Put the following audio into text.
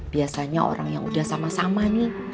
biasanya orang yang udah sama sama nih